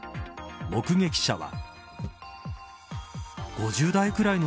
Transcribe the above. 目撃者は。